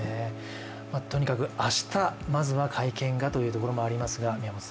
とにかく明日、まずは会見がということもあります。